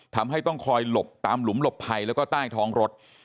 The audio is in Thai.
ทำให้ต้องคอยหลบตามหลุมหลบภัยแล้วก็ใต้ท้องรถ